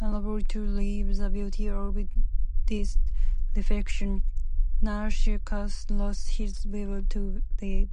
Unable to leave the beauty of his reflection, Narcissus lost his will to live.